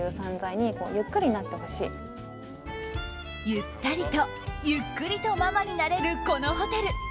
ゆったりとゆっくりとママになれるこのホテル。